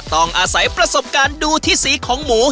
ต้องอาศัยประสบการณ์ดูที่สีของหมู